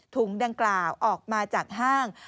ถุงดังกล่าวออกมาจากห้าง